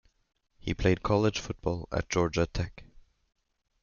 He played college football at Georgia Tech.